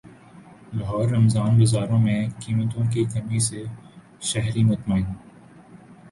لاہور رمضان بازاروں میں قیمتوں کی کمی سے شہری مطمئین